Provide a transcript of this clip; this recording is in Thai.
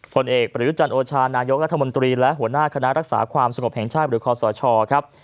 ผลเอกประยุจันโอชานายกรัฐมนตรีและหัวหน้าคณะรักษาความสงบแห่งชาติหรือคอสชครับ